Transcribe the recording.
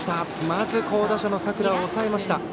まず好打者の佐倉を抑えました。